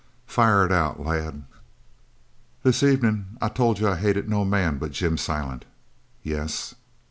"Fire it out, lad." "This evenin' I told you I hated no man but Jim Silent." "Yes."